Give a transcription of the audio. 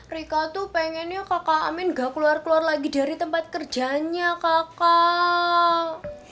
rikau tuh pengennya kakak amin gak keluar keluar lagi dari tempat kerjaannya kakak